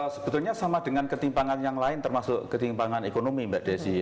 sebetulnya sama dengan ketimpangan yang lain termasuk ketimpangan ekonomi mbak desi